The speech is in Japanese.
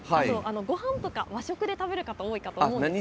ごはんとか和食で食べる方多いと思いますよね。